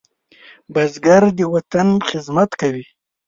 بزګر د وطن خدمت کوي